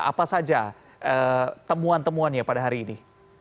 apa saja temuan temuan ya pada hari ini